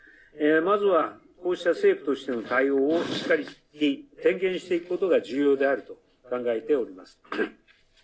まずはこうした政府としての対応をしっかり点検していくことが重要であると考えております。